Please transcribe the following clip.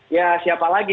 ya siapa lagi